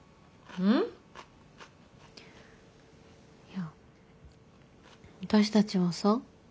いや私たちはさ